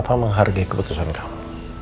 papa menghargai keputusan kamu